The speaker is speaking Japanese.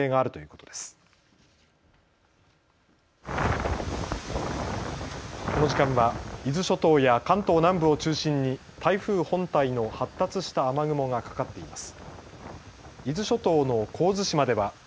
この時間は伊豆諸島や関東南部を中心に台風本体の発達した雨雲がかかっています。